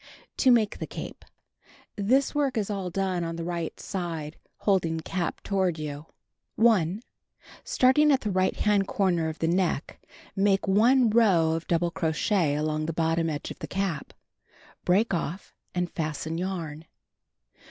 To Make the Cape This work is all done on iho right side, holding cap toward j'ou. 1. Starting at ilio right hand corner of the neck, make 1 row of double crochet along the bottom edge of the cap. Break off and fasten yarn.